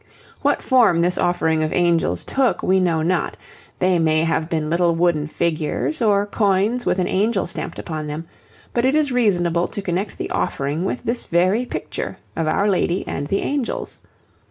What form this offering of angels took, we know not; they may have been little wooden figures, or coins with an angel stamped upon them; but it is reasonable to connect the offering with this very picture of Our Lady and the angels.